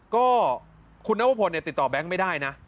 ก็คุณนวพลติดต่อแบงค์ไม่ได้นะ